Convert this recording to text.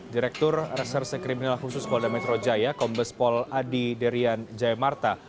direktur reserse kriminal khusus polda metro jaya kombes pol adi derian jaya marta